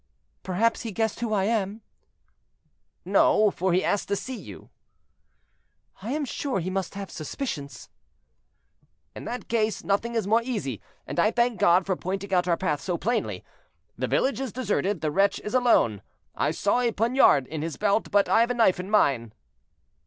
"Perhaps he guesses who I am?" "No, for he asked to see you." "I am sure he must have suspicions." "In that case nothing is more easy, and I thank God for pointing out our path so plainly. The village is deserted, the wretch is alone. I saw a poniard in his belt, but I have a knife in mine."